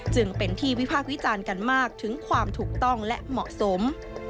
จึงเป็นที่วิพากษ์วิจารณ์กันมากถึงความถูกต้องและเหมาะสม